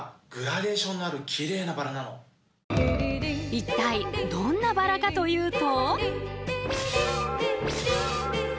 一体どんなバラかというと。